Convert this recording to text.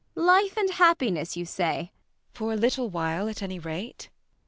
] Life and happiness, you say! ELLA RENTHEIM. For a little while at any rate.